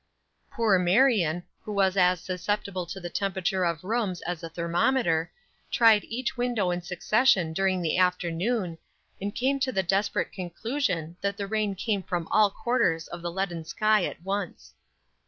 Poor Marion, who was as susceptible to the temperature of rooms as a thermometer, tried each window in succession during the afternoon, and came to the desperate conclusion that the rain came from all quarters of the leaden sky at once.